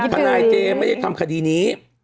ทนายเจไม่ได้ทำคดีนี้